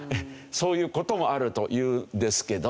そういう事もあるというですけど。